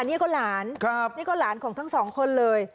นี่ก็หลานนี่ก็หลานของทั้งสองคนเลย